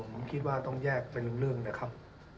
ผมคิดว่าต้องแยกเป็นเรื่องนะครับ